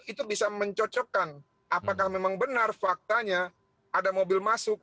itu bisa mencocokkan apakah memang benar faktanya ada mobil masuk